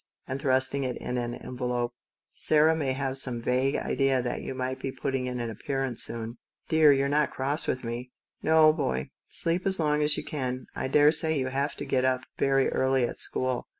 and thrusting it in an envelope, "Sarah may have some vague idea that you might be putting in an appearance soon." " Dear, you're not cross with me ?"" No, boy. Sleep as long as you can. I daresay you have to get up very early at school."